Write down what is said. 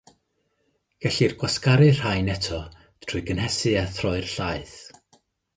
Gellir gwasgaru'r rhain eto trwy gynhesu a throi'r llaeth.